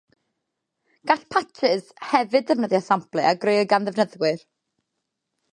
Gall patshys hefyd ddefnyddio samplau a grëwyd gan ddefnyddwyr.